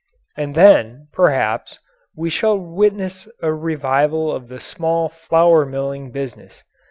And then, perhaps, we shall witness a revival of the small flour milling business.